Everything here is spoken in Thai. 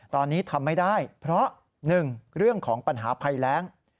ตอนนี้ทำไม่ได้เพราะ๑เรื่องของปัญหาภัยแรง